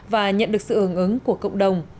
và nhận được sự ứng ứng của cộng đồng